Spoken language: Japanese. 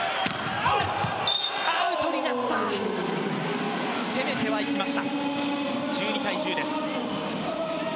アウトになった、攻めてはいきました。